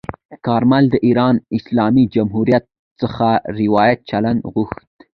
کارمل د ایران اسلامي جمهوریت څخه ورته چلند غوښت.